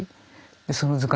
でその図鑑